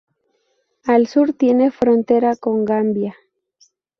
Al sur tiene frontera con Gambia.